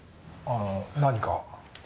あの何か？